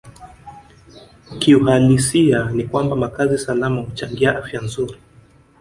Kiuhalisia ni kwamba makazi salama huchangia afya nzuri